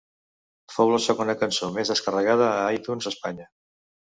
Fou la segona cançó més descarregada a iTunes a Espanya.